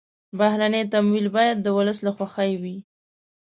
بهرني تمویل باید د ولس له خوښې وي.